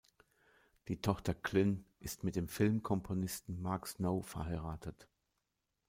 Die Tochter Glynn ist mit dem Filmkomponisten Mark Snow verheiratet.